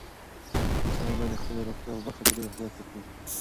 انسانان باید د خپلې روغتیا په برخه کې ډېر احتیاط وکړي.